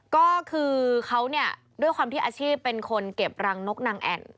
ก็คือเขาเนี่ยด้วยความที่อาชีพเป็นคนเก็บรังนกนางแอ่น